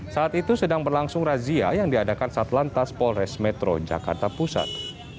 saat itu sedang berlangsung razia yang diadakan satlantas polres metro jakarta pusat